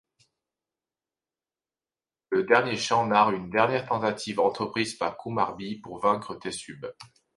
Le dernier chant narre une dernière tentative entreprise par Kumarbi pour vaincre Teshub.